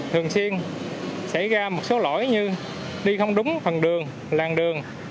thường xuyên xảy ra một số lỗi như đi không đúng phần đường làng đường